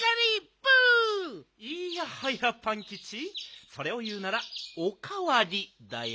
いやはやパンキチそれをいうなら「おかわり」だよ。